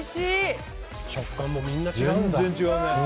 食感もみんな違うんだ。